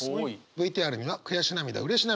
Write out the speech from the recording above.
ＶＴＲには悔し涙うれし涙